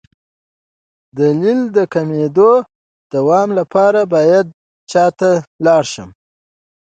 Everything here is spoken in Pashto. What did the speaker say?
د لید د کمیدو د دوام لپاره باید چا ته لاړ شم؟